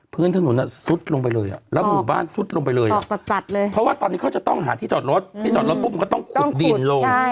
พื้นถนนซุดลงไปเลยอ่ะแล้วหมู่บ้านซุดลงไปเลยเพราะว่าตอนนี้เขาจะต้องหาที่จอดรถที่จอดรถปุ๊บมันก็ต้องขุดดินลง